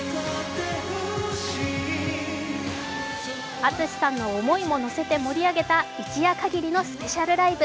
ＡＴＳＵＳＨＩさんの思いものせて盛り上げた、一夜かぎりのスペシャルライブ。